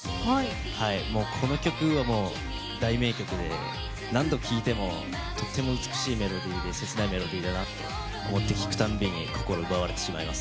この曲は何度聴いてもとても美しいメロディーで切ないメロディーだなと思って聴くたびに心奪われてしまいます。